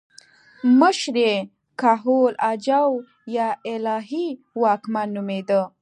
مشر یې کهول اجاو یا الهي واکمن نومېده